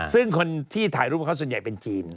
ซึ่งคนที่ถ่ายรูปกับเขาส่วนใหญ่เป็นจีน